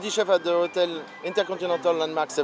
tôi là giám đốc ở hotel intercontinental landmark